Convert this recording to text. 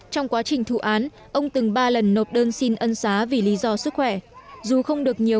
trong quá trình thụ án ông từng ba lần nộp đơn xin ân xá vì lý do sức khỏe dù không được nhiều